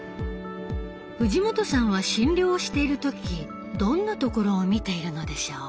藤本さんは診療をしている時どんなところを見ているのでしょう？